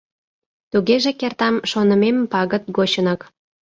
Тугеже кертам шонымем пагыт гочынак